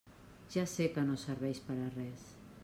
Ja sé que no serveix per a res.